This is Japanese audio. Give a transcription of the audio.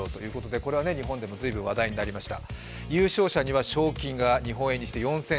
これは日本でも随分話題になりました。